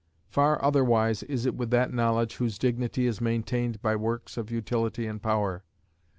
Far otherwise is it with that knowledge whose dignity is maintained by works of utility and power.